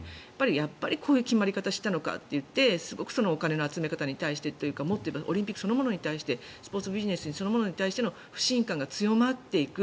やっぱりこういう決まり方したのかといってすごくお金の集め方に対してというかもっと言えばオリンピックそのものに対してスポーツビジネスそのものに対する不信感が強まっていく。